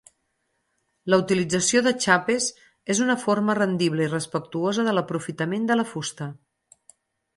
La utilització de xapes és una forma rendible i respectuosa de l'aprofitament de la fusta.